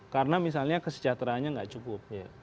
karena misalnya kesejahteraannya nggak cukup